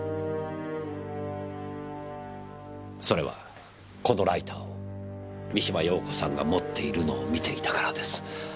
それはこのライターを三島陽子さんが持っているのを見ていたからです。